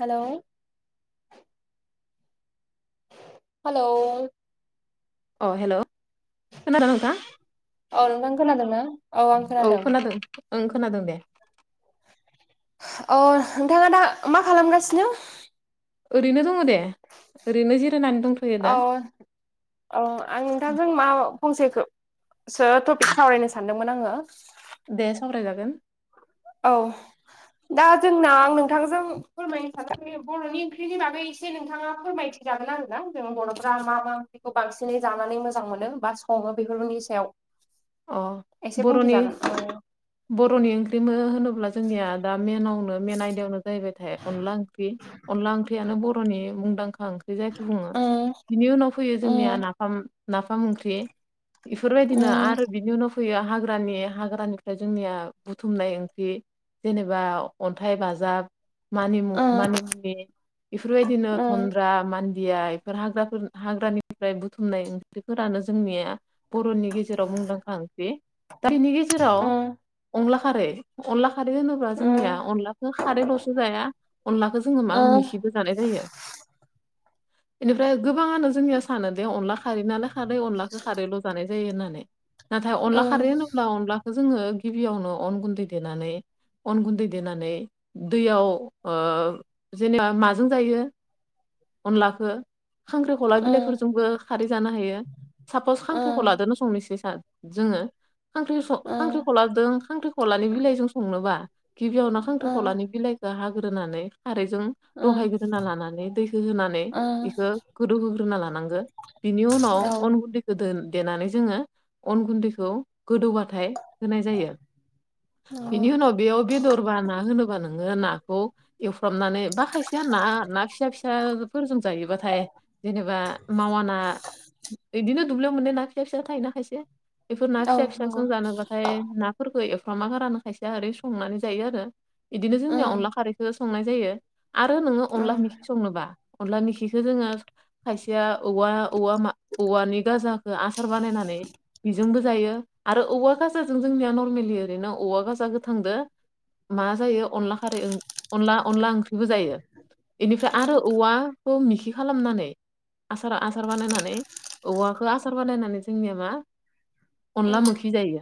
Hello hello अ hello खोनादों ना नोंथां [unintelligible] औ नोंथां खोनादों ना औ आं खोनादों ओं खोनादों दे अ नोंथाङा दा मा खालामगासिनो ओरैनो दङ दे ओरैनो जिरायनानै दंथ'यो औ दा औ आं नोंथांजों मा फंसेखो सो टपिक सावरायनो सानदोंमोन आङो दे सावरायजागोन औ दा जोंना आं नोंथांजों फोरमायनो सानाखै [unintelligible] बर'नि ओंख्रिनि बागै एसे नोंथाङा फोरमायथि जागोन आरोना जों बर'फ्रा मामा बेखौ बांसिनै जानानै मोजां मोनो बा सङो बेफोरनि सायाव अ एसे बर'नि बुंथिजागोन ओव बर'नि ओंख्रिबो होनोब्ला जोंनिया दा मेनावनो मेन आयदायावनो जाहैबायथाय अनला ओंख्रि अनला ओंख्रियानो बर'नि मुंदांखा ओंख्रि जायखौ बुङो उम बिनि उनाव फैयो जोंनिया उम नाफाम नाफाम ओंख्रि ना इफोरबायदिनो उम आरो बिनि उनाव फैयो हाग्रानि हाग्रानिफ्राय जोंनिया बुथुमनाय ओंख्रि। जेनेबा अन्थाइ बाजाब मानिमु उम मानिमुनि बेफोरबायदिनो उम थन्द्रा मान दिया बेफोर हाग्राफोर हाग्रानिफ्राय बुथुमनाय ओंख्रिफोरानो जोंनिया बर'नि गेजेराव मुंदांखा ओंख्रि। दा बिनि गेजेराव उम अंला खारै अनला खारै होनोब्ला जोंनिया अनलाखौ खारैल'सो जाया। अनलाखौ जोङो मा उम मिसिबो बो जानाय जायो। बिनिफ्राय गोबाङनो जोंनिया सानो दे अनला खारै [unintelligible] खारै अनलाखौ खारैल' जानाय जायो होननानै। नाथाय अनला उम खारै होनोब्ला अनलाखो जोङो गिबियावनो अन गुन्दै देनानै अन गुन्दै देनानै दैयाव ओ जेनेबा माजों जायो अनलाखो खांख्रिखला उम बिलाइफोरजोंबो खारै जानो हायो सापस उम खांख्रिख'लादोनो संनोसै सान जोङो खख्रि ओम खांख्रिखलाजों खांख्रि खलानि बिलाइजों संनोबा गिबियावनो ओम खांख्रिख'लानि बिलाइखौ हाग्रोनानै खारैजों ओम रहायग्रोना लानानै दैखौ होनानै ओम बेखौ गोदौहोग्रोना लानांगो। बिनि उनाव औ अन गुन्दैखोन देनानै जोङो अन गुन्दैखौ गोदौबाथाय होनाय जायो नंगौ बेनि उनाव बेयाव बेदरबा ना होनोबा नोङो नाखौ एवफ्रामनानै बा खायसेयाना ना फिसा फिसाफोरजों जायोबाथाय जेनेबा मावाना बिदिनो दुब्लियाव मोननाय ना फिसा फिसा थायोना खायसे बेफोर ना औ फिसा नंगौ फिसाजों जानोबाथाय ना फोरखो एफ्रामा गारानो खायसेया ओरै संनानै जायो आरो इदिनो जोंनिया ओम अनला खारैखौो संनाय जायो। आरो नोङो अनला ओम मेखि संनोबा, अनला मेखिखौ जोङो खायसेया औवा औवा मा औवानि गाजाखौ आसार बानायनानै जोंबो जायो आरो औवा गाजाजों जोंनिया नर्मेलि ओरैनो औवा गजा गोथांदो मा जायो अनला खारै अनला अनला ओंख्रिबो जायो। बेनिफ्राय आरो ओम औवाखौ मिखि खालामनानै आसार आसार बानायनानै औवाखो आसार बानायनानै जोंनिया मा अनला मोखि जायो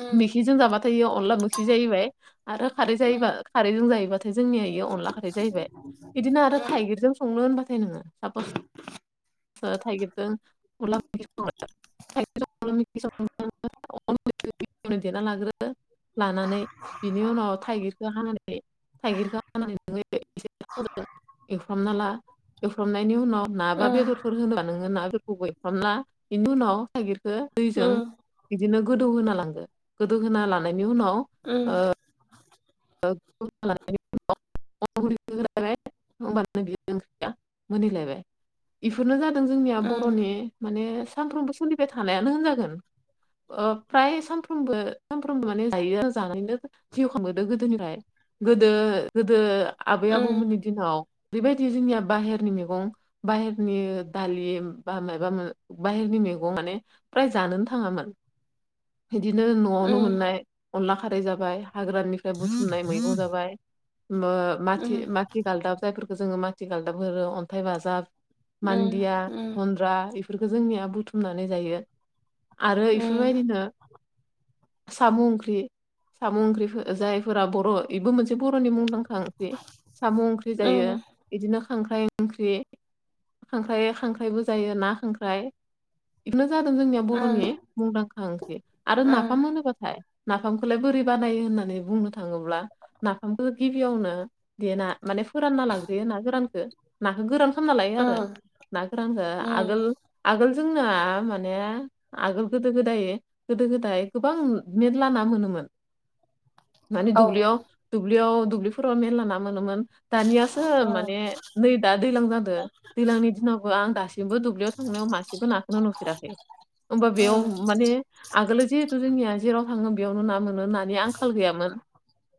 ओम मोखिजों जाबाथायो अनला मोखि जाहैबाय। आरो खारै जायोबा ओम खारैजों जायोबाथाय जोंनिया इयाव अनला खारै जाहैबाय बिदिनो आरो थाइगिरजों संनो होनबा थाय नोङो सापस थाइगिरजों अनला थाइगिरजों [unintelligible] देना लाग्रोदो लानानै बिनि उनाव थाइगिरखौ हानानै थाइगिरखौ हानानै नोङो एसे [unintelligible] एवफ्रामना ला एवफ्रामनायनि उनाव ना बा बेदरफोर होनोबा नोङो नाफोरखौबो एवफ्रामना बेनि उनाव थाइगिरखो ओम दैजों बिदिनो गोदौ होना लांगो गोदौहोना लानायनि उनाव उम। [unintelligible] होमबानो बि ओंख्रिया मोनहैलायबाय बेफोरनो जादों जोंनिया ओम बर'नि माने सानफ्रोमबो सोलिबाय थानायानो होनजागोन। ओ फ्राय सानफ्रामबो सानफ्रामबो माने जायो जानायनो जिउ खाङो गोदोनिफ्राय गोदो आबै आबौमोननि दिनाव बेबायदि जोंनिया बाहेरनि मैगं बाहेरनि दालि बा माबा बाहेरनि मैगं माने फ्राय जानोनो थाङामोन। बिदिनो न'आवनो ओम मोननाय अनला खारै जाबाय हाग्रानिफ्राय बुथुमनाय मै गं जाबाय ओ ओम ओम मा-माथि गालदाब जायफोरखौ जोङो माथि गालदाब होरो अन्थाइ बाजाब ओम मान्दिया ओम गुन्द्रा इ फोरखो जोंनिया बुथुमनानै जायो आरो इफोरबायदिनो सामु ओंख्रि समु ओंख्रिफो ओ जायफोरा बर' इबो मोनसे बर'नि मुंदां ओंख्रि सामु ओंख्रि जायो ओम ओम इदिनो खांख्राइ ओंख्रि खांख्राइ खांख्राइबो जायो ना खांख्राइ इफोनो जादों जोंनिया बर'नि मुंदांखा ओंख्रि आरो औ नाफाम होनोबाथाय नाफामखोलाय बोरै बानायो होननानै बुंनो थाङोब्ला नाफामखो गिबियावनो देना माने फोरानना लाग्रोयो ना गोरानखो नाखो गोरान खामना लायो ओम आरो ना गोरानखो ओम आगोल आगोल जोंना माने आगोल गोदो गोदायो गोदो गोदाय गोबां मेरला नाम मोनोमोन। माने दुब्लियाव दुब्लियाव दुब्लिफोराव मेरला ना मोनोमोन। दानियासो माने नै दा दैलां जादो दैलांनि दिनावबो आं दासिमबो दुब्लियाव थांनायाव मासेबो नाखोनो नुफेराखै। ओमबा बेयाव ओम माने आगोलो जिहेथु जोंनिया जेराव थाङो बेयावनो ना मोनो नानि आंखाल गैयामोन।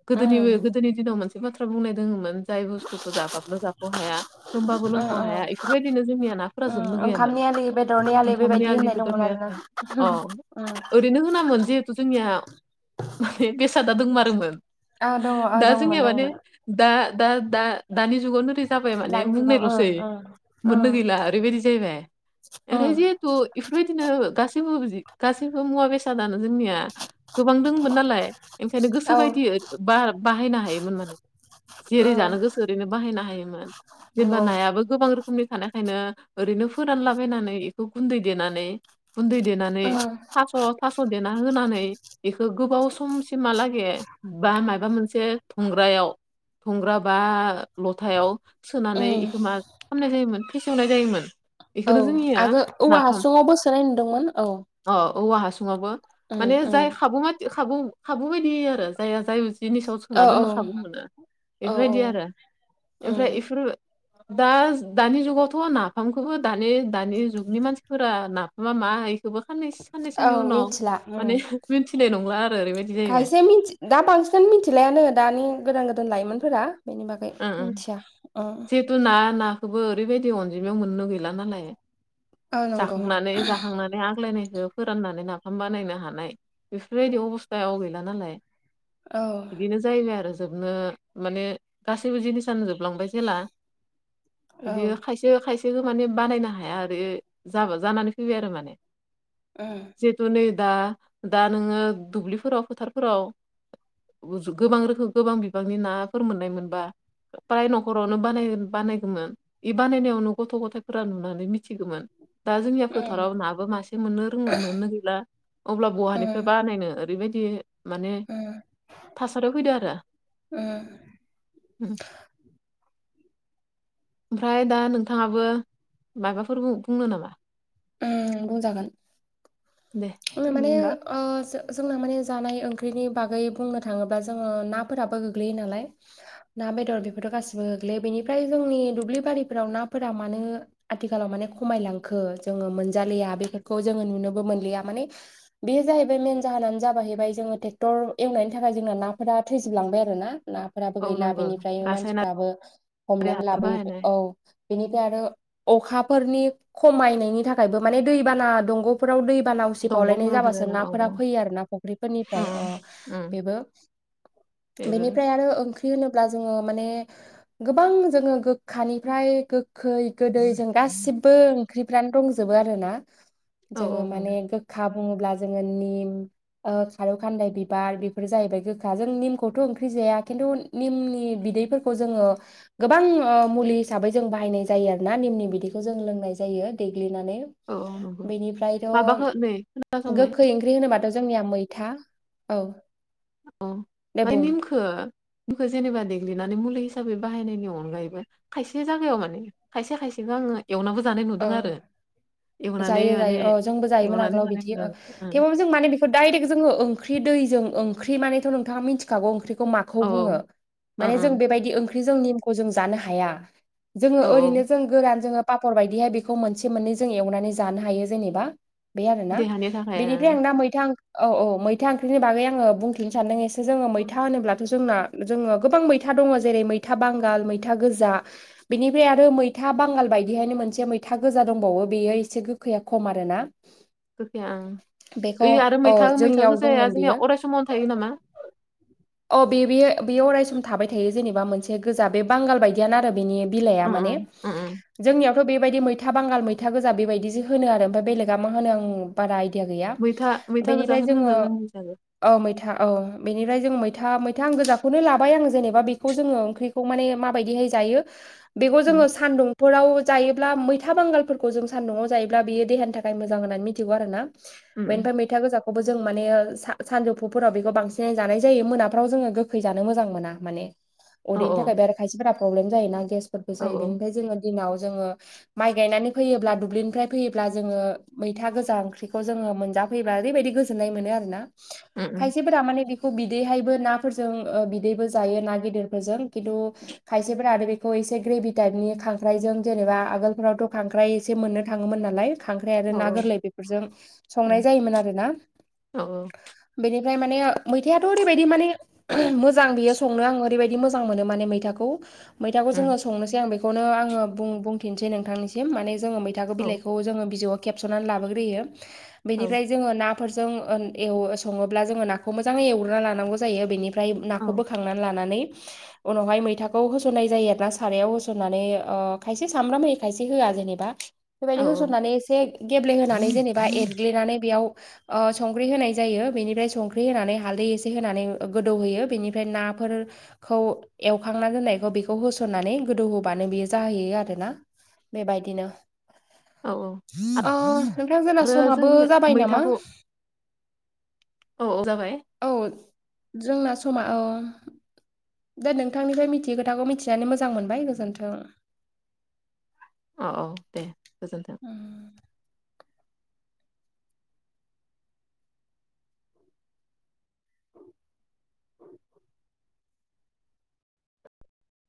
गोदोनिवो ओम गोदोनि दिनाव मोनसे बाथ्रा बुंनाय दोङोमोन। जाय बुस्थुखो जाबानो जाख' हाया। लोंबाबो लोंख' ओम हाया इफोरबायदिनो जोंनिया नाफोरा जोबनो ओम गैयामोन। ओंखामनि आलि बेदरनि आलि ओंखामनि बेबायदि आलि होननाय दंमोन बेदरनि आरोना आखाय अ ओम ओरैनो होनामोन जिहेथु जोंनिया माने बेसादा दोंमा मोन औ दङ औ दा दंमोन जोंनिया माने दंमोन दा-दा-दा-दानि जुगावनो जाबाय माने दानि जुगाव ओं बुंनायल'सै मोननो ओं गैला ओरैबायदि जाहैबाय। ओं एफ्राय जिहेथु इफोरबायदिनो गासैबो बिदि गासैबो मुवा बेसादानो जोंनिया गोबां दोंमोन नालाय, ओंखायनो गोसो औ बायदि बा बाहायनो हायोमोन माने। जेरै ओं जानो गोसो ओरैनो बाहायनो हायोमोन। जेनबा नंगौ नायाबो गोबां रोखोमनि थानायखायनो ओरैनो फोरानलाबायनानै इखो गुन्दै देनानै गुन्दै देनानै ओं थास' थास' देना होनानै बेखो गोबाव समसिमालागे बा मायबा मोनसे धंग्रायाव धंग्रा बा लथायाव सोनानै ओम इखो मा खामनाय जायोमोन फेसेवनाय जायोमोन। औ बेखौनो जोंनिया आगो औवा नाफाम हासुङावबो सोनाय नुदोंमोन। औ अ औवा हासुङावबो ओम माने जाय ओम खाबु बादि खाबु खाबु बायदि आरो। जाया जाय जिनिसाव सोना औ दोननो खाबु मोनो औ औ इफोरबायदि आरो ओम ओमफ्राय इफोरो [inaudible] दाज दानि जुगावथ' नाफामखोबो दानि-दानि जुगनि मानसिफोरा नाफामा माहाय खोदो खाननैस औ खाननैसोनि उनाव मिथिला माने मोनथिनाय नंला आरो ओरैबायदि जाहैबाय। खायसे मिथि दा बांसिनानो मिथिलायानो दानि गोदान गोदान लाइमोनफोरा बेनि बा मिनथिया उम दोना नाखोबो ओरैबायदि अनजिमायाव मोननो गैला नालाय। औ नंगौ जाखांनानै जाखांनानै आग्लायनायखो फोराननानै नाफाम बानायनो हानाय। बेफोरबायदि अबस्थायाव गैला नालाय औ बिदिनो जायो आरो जोबनो माने गासैबो जिनिस नो जोबलांबाय जेला औ ओम इदिनो खायसे खायसेखो माने बानायनो हाया आरो जाबा जानानै फैबाय आरो माने। उम जिहेतु नै दा दा नोङो दुब्लिफोराव फोथारफोराव उजु गोबां रोखो गोबां बिबांनि नाफोर मोननायमोनबा पाय न'खरावनो बानायोन बानायगोमोन। इ बानायनायावनो गथ' गथायफोरा नुनानै मिथिगोमोन। दा जोंनिया फोथाराव ओम नाबो मासे मोननो रों मोननो गैला अब्ला बहानिफ्राय बानायनो ओरैबायदि माने थासारियाव फैदो आरो उम। उम ओमफ्राय दा नोंथाङाबो माबाफोर बु-बुंनो नामा? उम बुंजागोन। दे [unintelligible] माने फोरमाय होमबा ओ जो जोंना माने जानाय ओंख्रिनि बागै बुंनो थाङोब्ला जोङो नाफोराबो गोग्लैयो नालाय। ना बेदर बेफोरथ' गासिबो गोग्लैयो बेनिफ्राय जोंनि दुब्लि बारिफोराव नाफोरा मानो आथिखालाव माने खमायलांखो जोङो मोनजालिया बेफोरखौ जोङो नुनोबो मोनलिया माने बेयो जाहैबाय मेेन जाहोनानो जाबााहैबाय जोङो ट्रेक्टर एवनायनि थाखाय जोंना नाफोरा थैजोबलांबाय आरो ना ना फोराबो औ गैला नंगौ बेनिफ्राय रासायनारि मानसिफ्राबो हमनानै हासार लाबोयो। बाहायनाय औ बेनिफ्राय आरो अखाफोरनि खमायनायनि थाखायबो माने दैबाना दंग'फोराव दैबा उसिफावलायनाय दंग'फोराव दोनो जाबासो ना औ नाफोरा उम फैयो आरो ना फुख्रिफोरनिफ्राय अ उम बेबो बेबो बेनिफ्राय आरो ओं होनोब्ला जोङो माने गोबां जोङो गोखानिफ्राय गो खै गोदै जों गासिबो ओंख्रिफ्रानो दंजोबो आरो ना औ जोङो नंगौ। माने गो खा बुङोब्ला जोङो निम ओ खारौ खान्दाय बिबार बेफोर जाहैबाय गोखा जों निमखौथ' ओंख्रि जाया खिन्थु निमनि बिदैफोरखौ जोङो गोबां ओ मुलि हिसाबै जों बाहायनाय जायो आरो ना निमनि बिदिखौ जों लोंनाय जायो देग्लिनानै। औ औ नंगौ बेनिफ्रायथ' माबाखौ नै खोनासंनाय गोखै ओंख्रि होनोबाथ' जोंनिया मैथा औ। ओ दे फाय बुं निमखो खो जेनेबा देग्लिनानै मुलि हिसाबै बाहायनायनि अनगायैबो खायसे जायागायाव माने खायसे खायसेखौ आङो एवनाबो जानाय नुदों औ आरो। एवनानै जायो माने जायो अ जोंबो जायोमोन एवनानै आगोलाव जानाय बिदि नुदों ओ ओं थेवबो जों माने डाइरेक्ट जोङो ओंख्रि दैजों ओंख्रि मानेथ' नोंथाङा मिथिखागौ ओंख्रिखौ मा खौ औ ओं बुङो माने जों ओं बेबायदि ओंख्रिजों निमखौ जों जानो हाया। जोङो औ ओरैनो औ जों गोरान जोङो पापर बायदिहाय बेखौ मोनसे मोननै जों एवनानै जानो हायो जेनेबा। बे आरोना देहानि थाखाय ओ बेनिफ्राय आं दा मैथा ओं औ औ मैथा ओंख्रिनि बागै आङो बुंथिनो सानदों एसे जोङो मैथा होनोब्लाथ' जोंना जोङो गोबां मैथा दङ जेरै मैथा बांगाल मैथा गोजा बेनिफ्राय आरो मैथा बांगाल बायदिहायनो मोन से मैथा गोजा दंबावो बेयो एसे गोखैया खम आरोना। गोखाया ओं ओइ बेखौ आरो अ मैथा मैथा जोंनियाव गो जाया दंमोन जोंनिया बियो अराय समावनो थायो नामा? अ बे बे बेयो अरायसम थाबाय थायो जेनेबा मोनसे गोजा बे बांगाल बायदियानो आरो बेनि बिलाइआ उम माने उम उम उम जोंनियाव थ' बेबायदि मैथा बांगाल मैथा गोजा बेबायदिसो होनो आरो ओमफ्राय बेलेगा मा होनो आं बारा आइदिया गैया मैथा मैथा बेनिफ्राय गोजाखौनो जोङो होनो जोंनि जाबो ओ मैथा ओ बेनिफ्राय जोङो मैथा मैथा आं गोजाखौनो लाबाय आं जेनेबा बेखौ जोङो ओंख्रि खौ मानि माबायदिहाय जायो। बेखौ उम जोङो सानदुंफोराव जायोब्ला मैथा बांगालफोरखौ जों सान्दुआव जायोब्ला बियो देहानि थाखाय मोजां होननानै मिथिगौ आरो ना। उम उम बेनिफाय मै था गोजाखौबो जों मानेा सानजौफुफोराव बेखौ बांसिनै जानाय जायो मोनाफ्राव जोङो गोखै जानो मोजां मोना माने। औ उदैनि थाखाय बे आरो खायसेफोरा प्रब्लेम जायोना गेसफोरबो औ जायो बेनिफ्राय जोङो दिनाव जोङो माइ गायनानै फैयोब्ला दुब्लिनिफ्राय फैयोब्ला जोङो मैथा गोजा ओंख्रिखौ जोङो मोनजा फैबा ओरैबायदि गोजोननाय मोनो आरो ना। उम उम खायसेफोरा माने बेखौ बिदैहायबो नाफोरजों बिदैबो जायो ना गेदेरफोरजों खिन्थु खायसेफोरा आरो बेखौ एसे ग्रेभि टाइपनि खांख्राइजों जेनेबा आगोलफ्रावथ' खांख्राइ एसे मोननो थाङोमोन नालाय खांख्राइ आरो औ ना औ गोरलै बेफोरजों संनाय उम जायोमोन आरो ना। औ बेनिफ्राय माने मैथायाथ' ओरैबायदि माने मोजां बियो संनो आं ओरैबायाददि मोजां मोनो माने मैथाखौ। मैथाखौ जोङो उम संनोसै आं बेखौनो आङो बुं बुंथिनसै नोंथांनिसिम माने जोङो मै थाखो औ बिलाइखौ जोङो बिजौआव खेबस'नानै लाबोग्रोयो औ बेनिफ्राय जोङो ना फोरजों एव सङोब्ला जोङो नाखौ मोजाङै एवग्रोना लानांगौ जायो बेनि फ्राय औ नाखौ बोखांनानै लानानै उनावहाय मैथाखौ होसननाय जायो आरो ना सारायाव होसननानै ओ खायसे सामब्राम मै खायसे होआ जेनेबा औ बेबायदि होसननानै एसे गेब्लेहोनानै जेनेबा एरग्लिनानै बेयाव संख्रि होनाय जायो बेनिफ्राय संख्रि होनानै हालदै एसे होनानै गोदौहोयो बेनिफ्राय नाफोर खौ एवखांना दोन्नायखौ बेखौ होसननानै गोदौ होबानो बेयो जाहोयो। बि आरोना बेबायदिनो औ औ अ नोंथां जोंना आरो जों समाबो जाबाय नामा मैथाखौ औ औ जाबाय औ जोंना समा औ दे नोंथांनिफ्राय मिथियै खोथाखौ मिथिनानै मोजां मोनबाय गोजोन्थों औ औ दे गोजोन्थों।